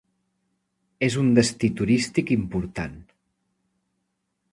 És un destí turístic important.